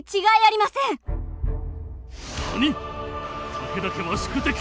武田家は宿敵。